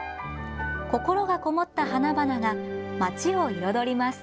心がこもった花々がまちを彩ります。